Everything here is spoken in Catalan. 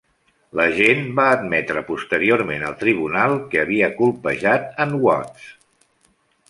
L"agent va admetre posteriorment al tribunal que havia colpejat en Watts.